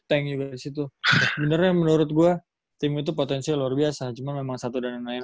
tank juga disitu sebenarnya menurut gua tim itu potensi luar biasa cuma memang satu dan yang lain